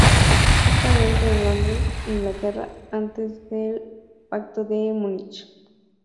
Está ambientada en Londres, Inglaterra, antes del Pacto de Múnich.